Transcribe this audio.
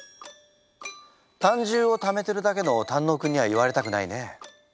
胆汁をためてるだけの胆のうくんには言われたくないねえ。